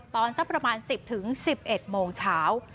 ตอนสักประมาณ๑๐๑๑โมงเช้า